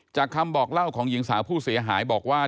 คำบอกเล่าของหญิงสาวผู้เสียหายบอกว่า